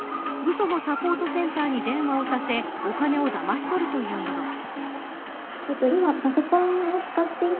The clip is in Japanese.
嘘のサポートセンターに電話をさせお金をだまし取るというもの。